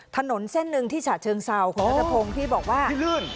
ถนนเส้นหนึ่งที่ฉะเชิงเซาคุณนัทพงศ์ที่บอกว่าที่ลื่น